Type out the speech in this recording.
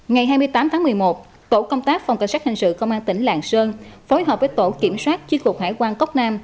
ngày hai mươi tám tháng một mươi một tổ công tác phòng cảnh sát hình sự công an tỉnh lạng sơn phối hợp với tổ kiểm soát chi cục hải quan cốc nam